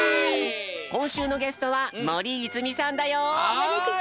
こんしゅうのゲストは森泉さんだよ！